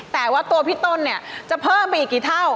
แต่ว่าตัวพี่ต้นเนี่ยจะเพิ่มไปอีกกี่เท่า